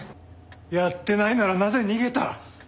やってないならなぜ逃げた？